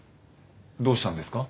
どうしたんですか？